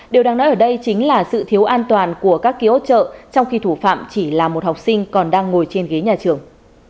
điều đáng nói ở đây chính là sự thiếu an toàn của các ký ốt chợ trong khi thủ phạm chỉ là một học sinh còn đang ngồi trên ghế nhà trường